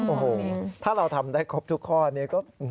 โอ้โหถ้าเราทำได้ครบทุกข้อนี้ก็